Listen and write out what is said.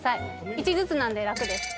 １ずつなんで楽です